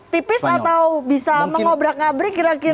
tipis atau bisa mengobrak ngabrik kira kira